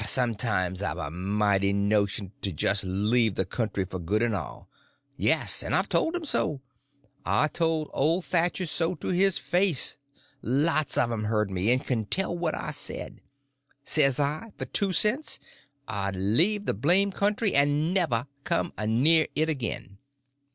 Sometimes I've a mighty notion to just leave the country for good and all. Yes, and I told 'em so; I told old Thatcher so to his face. Lots of 'em heard me, and can tell what I said. Says I, for two cents I'd leave the blamed country and never come a near it agin.